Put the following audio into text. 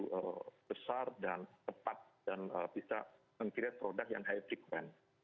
yang besar dan tepat dan bisa meng create produk yang high sequent